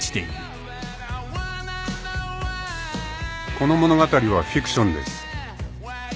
［この物語はフィクションです］